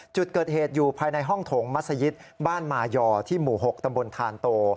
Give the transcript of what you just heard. จุดเกิดเหตุอยู่ภายในห้องโถงมัศยิตบ้านมายอที่หมู่๖ตำบลทานโต